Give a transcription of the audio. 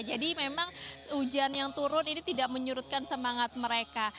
jadi memang hujan yang turun ini tidak menyurutkan semangat mereka